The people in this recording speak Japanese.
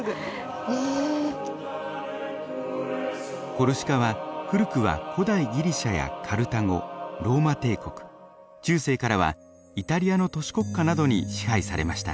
コルシカは古くは古代ギリシャやカルタゴローマ帝国中世からはイタリアの都市国家などに支配されました。